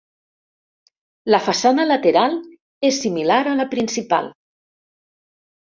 La façana lateral és similar a la principal.